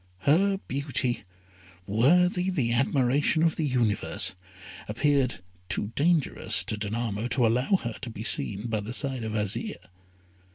Her beauty, worthy the admiration of the universe, appeared too dangerous to Danamo to allow her to be seen by the side of Azire.